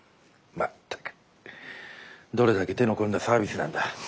全くどれだけ手の込んだサービスなんだ。